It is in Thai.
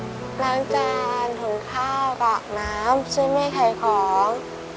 น้ำจานถึงข้ากับน้ำช่วยไม่ขายของ